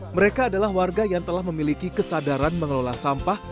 mereka adalah warga yang telah memiliki kesadaran mengelola sampah